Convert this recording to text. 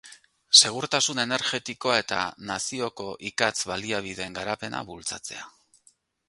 Segurtasun energetikoa eta nazioko ikatz-baliabideen garapena bultzatzea.